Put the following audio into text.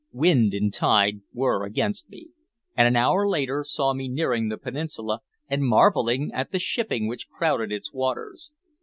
Wind and tide were against me, and an hour later saw me nearing the peninsula and marveling at the shipping which crowded its waters.